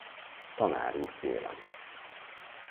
Tanár úr kérem!